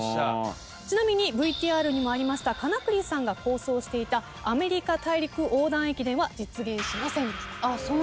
ちなみにＶＴＲにもありました金栗さんが構想していたアメリカ大陸横断駅伝は実現しませんでした。